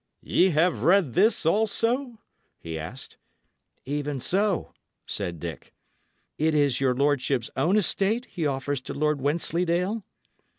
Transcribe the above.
"Ye have read this also?" he asked. "Even so," said Dick. "It is your lordship's own estate he offers to Lord Wensleydale?"